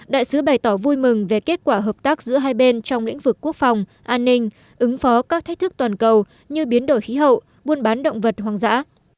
đại sứ bày tỏ vui mừng về kết quả hợp tác giữa hai bên trong lĩnh vực quốc phòng an ninh ứng phó các thách thức toàn cầu như biến đổi khí hậu buôn bán động vật hoang dã